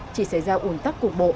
chỉ xảy ra ủn tắc cục bộ